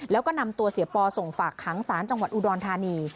แล้วก็นำตัวเสียปอส่งฝากขังสารจังหวัดอุดรธานี